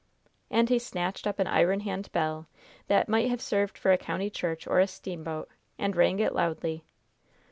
And he snatched up an iron hand bell, that might have served for a country church or a steamboat, and rang it loudly.